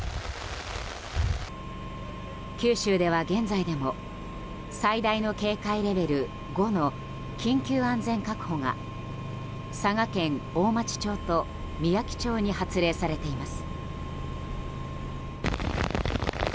九州では現在でも最大の警戒レベル５の緊急安全確保が佐賀県大町町とみやき町に発令されています。